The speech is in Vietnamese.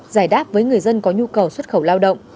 giải đáp với người dân có nhu cầu xuất khẩu lao động